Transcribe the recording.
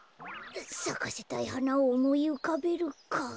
さかせたいはなをおもいうかべるか。